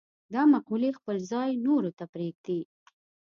دا مقولې خپل ځای نورو ته پرېږدي.